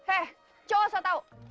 eh cowok asal tau